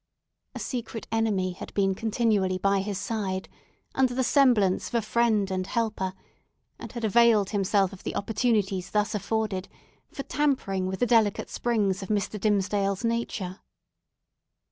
A secret enemy had been continually by his side, under the semblance of a friend and helper, and had availed himself of the opportunities thus afforded for tampering with the delicate springs of Mr. Dimmesdale's nature.